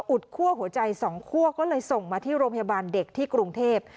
ดคั่วหัวใจสองคั่วก็เลยส่งมาที่โรงพยาบาลเด็กที่กรุงเทพ